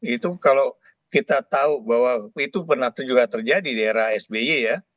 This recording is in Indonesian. itu kalau kita tahu bahwa itu pernah juga terjadi di era sby ya